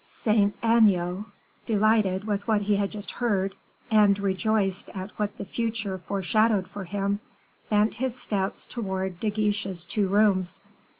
Saint Aignan, delighted with what he had just heard, and rejoiced at what the future foreshadowed for him, bent his steps towards De Guiche's two rooms.